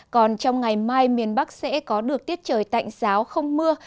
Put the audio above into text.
còn trong ngày mai miền bắc sẽ có được tiết trời tạnh giáo không mưa